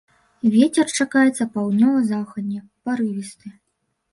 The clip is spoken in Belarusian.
Вецер чакаецца паўднёва-заходні парывісты.